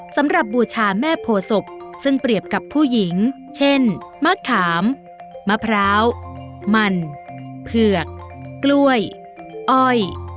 บูชาแม่โพศพซึ่งเปรียบกับผู้หญิงเช่นมะขามมะพร้าวมันเผือกกล้วยอ้อย